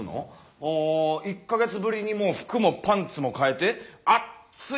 あ１か月ぶりにもう服もパンツも替えてあっつい